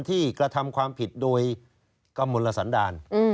กระทำความผิดโดยกมลสันดาล